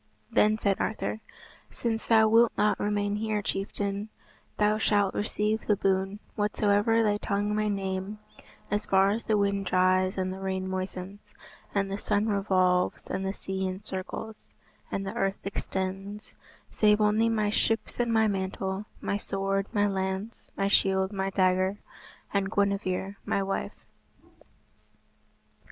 Then said Arthur, "Since thou wilt not remain here, chieftain, thou shalt receive the boon, whatsoever thy tongue may name, as far as the wind dries and the rain moistens, and the sun revolves, and the sea encircles, and the earth extends, save only my ships and my mantle, my sword, my lance, my shield, my dagger, and Guinevere my wife."